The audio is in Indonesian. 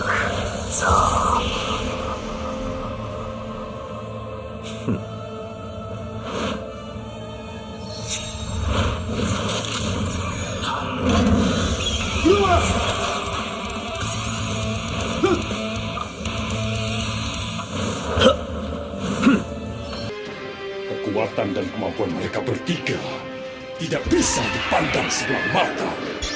kekuatan dan kemampuan mereka bertiga tidak bisa dipandang sebelah mata